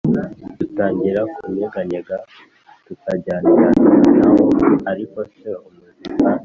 Dutangira kunyeganyega tukajyanirana na wo ariko se umuzika